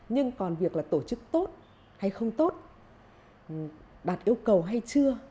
nhưng còn việc là tổ chức tốt hay không tốt đạt yêu cầu hay chưa